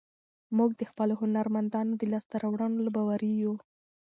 موږ د خپلو هنرمندانو په لاسته راوړنو باوري یو.